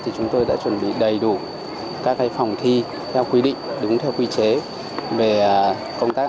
thì chúng tôi đã chuẩn bị đầy đủ các cái phòng thi theo quy định đúng theo quy định của công tác